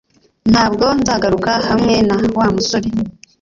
Ntabwo nzagaruka hamwe na Wa musore